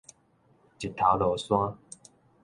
日頭落山